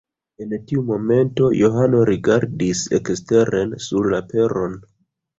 En tiu momento Johano rigardis eksteren sur la peronon.